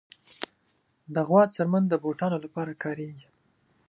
د غوا څرمن د بوټانو لپاره کارېږي.